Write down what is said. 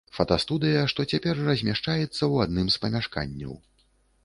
Фотастудыя, што цяпер размяшчаецца ў адным з памяшканняў.